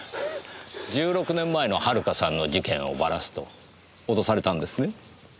１６年前の遥さんの事件をバラすと脅されたんですね？